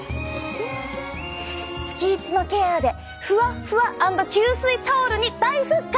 月１のケアでふわふわ＆吸水タオルに大復活！